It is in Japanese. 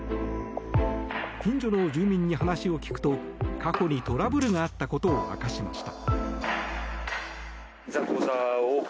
近所の住民に話を聞くと過去にトラブルがあったことを明かしました。